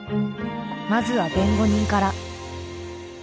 まずは弁護人から。